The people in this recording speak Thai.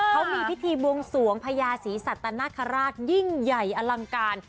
เขามีพิธีบวงสวงพญาศรีสัตนคราชยิ่งใหญ่อลังการ